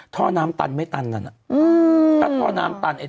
ท่อน้ำตั้นไม๊ตั้น